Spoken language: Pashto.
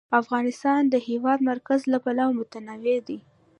افغانستان د د هېواد مرکز له پلوه متنوع دی.